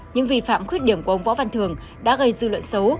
những vi phạm khuyết điểm của ông võ văn thường đã gây dư luận xấu